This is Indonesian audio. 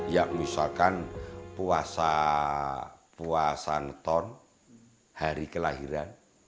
ya misalkan puasa neton hari kelahiran